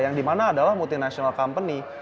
yang dimana adalah multinational company